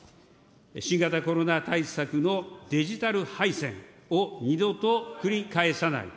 新型コロナ対策のデジタル敗戦を二度と繰り返さない。